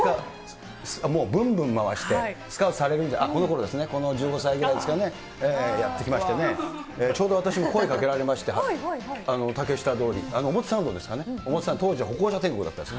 もう、ぶんぶん回して、スカウトされるんじゃないかと、このころですね、この１５歳ぐらいですかね、やって来ましてね、ちょうど私も声かけられまして、竹下通り、表参道ですかね、表参道、当時は歩行者天国だったんです。